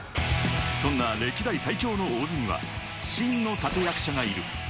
そんな歴代最強の大津には真の立役者がいる。